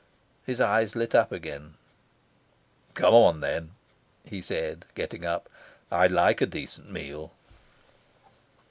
His eyes lit up again. "Come on, then," he said, getting up. "I'd like a decent meal."